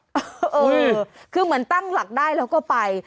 เออคือเหมือนตั้งหลักได้แล้วก็ไป